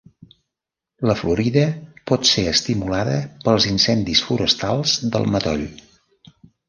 La florida pot ser estimulada pels incendis forestals del matoll.